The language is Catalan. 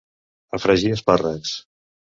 A fregir espàrrecs.